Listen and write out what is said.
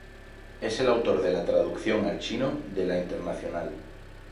Es el autor de la traducción al chino de "La Internacional".